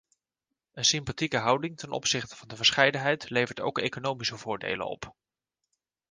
Een sympathieke houding ten opzichte van verscheidenheid levert ook economische voordelen op.